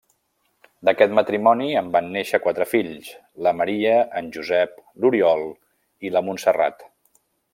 D'aquest matrimoni en van néixer quatre fills, la Maria, en Josep, l'Oriol i la Montserrat.